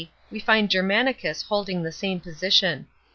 we find Germanicus holding the same position.